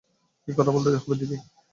কী কথা বলতে হবে দিদি?